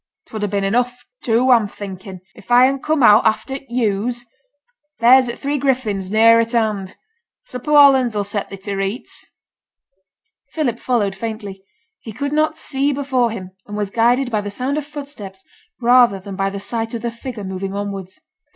''Twould ha' been enough, too, I'm thinkin', if I hadn't come out after t' ewes. There's t' Three Griffins near at hand: a sup o' Hollands 'll set thee to reeghts.' Philip followed faintly. He could not see before him, and was guided by the sound of footsteps rather than by the sight of the figure moving onwards.